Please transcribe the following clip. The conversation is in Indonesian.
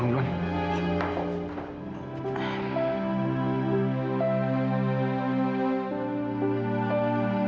aku nak pergi balik dulu